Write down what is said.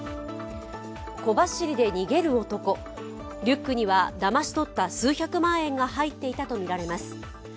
小走りで逃げる男、リュックにはだまし取った数百万円が入っていたとみられます。